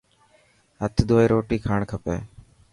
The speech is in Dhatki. هٿ ڌوئي روٽي کاڻ کپي.